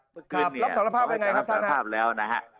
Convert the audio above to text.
รับสารภาพยังไงครับท่านฮะ